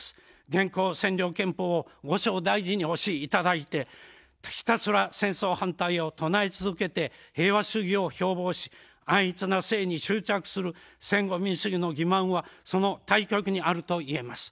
現行占領憲法を後生大事に押しいただいて、ひたすら戦争反対を唱え続けて平和主義を標ぼうし安逸な生に執着する戦後民主主義の欺まんはその対極にあるといえます。